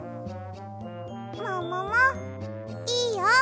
もももいいよ。